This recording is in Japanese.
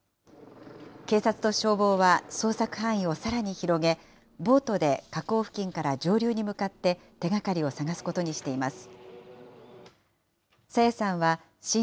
警察と消防は捜索範囲をさらに広げ、ボートで河口付近から上流に向かって手がかりを探すことにしています。